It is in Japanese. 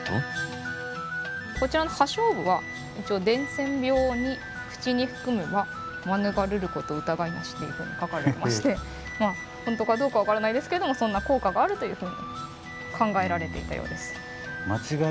こちらの葉菖蒲は一応「伝染病に口に含めば免るること疑いなし」っていうふうに書かれてまして本当かどうか分からないですけどもそんな効果があるというふうに考えられていたようです。